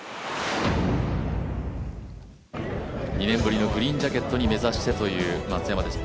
２年ぶりのグリーンジャケットを目指してということです。